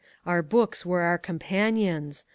Our books were our companions.